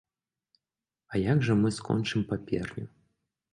А як жа мы скончым паперню?